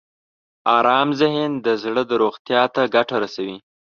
ارام ذهن د زړه روغتیا ته ګټه رسوي.